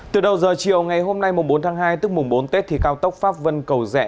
từ đầu giờ chiều ngày hôm nay bốn tháng hai tức mùng bốn tết thì cao tốc pháp vân cầu rẽ